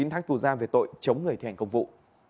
chín tháng tù giam về tội chống người thi hành công vụ